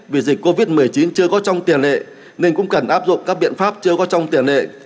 vì dịch covid một mươi chín chưa có trong tiền lệ nên cũng cần áp dụng các biện pháp chưa có trong tiền lệ